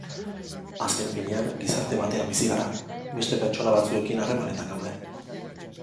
Azken finean, gizarte batean bizi gara, beste pertsona batzuekin harremanetan gaude.